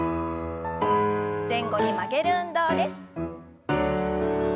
前後に曲げる運動です。